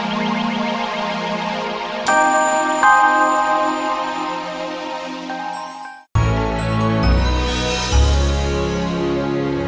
kita akan menjelaskan